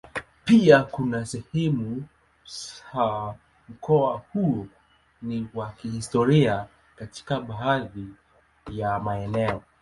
Pia kuna sehemu za mkoa huu ni wa kihistoria katika baadhi ya maeneo.